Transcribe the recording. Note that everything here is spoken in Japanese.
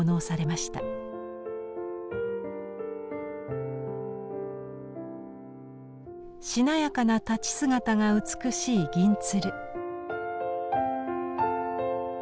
しなやかな立ち姿が美しい銀鶴。